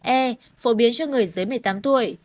e phổ biến cho người dưới một mươi tám tuổi